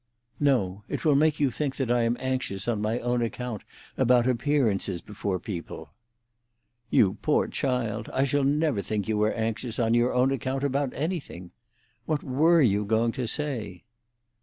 "No; it will make you think that I am anxious on my own account about appearances before people." "You poor child, I shall never think you are anxious on your own account about anything. What were you going to say?"